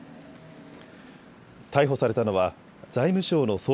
逮捕されたのは財務省の総括